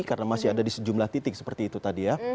karena masih ada di sejumlah titik seperti itu tadi ya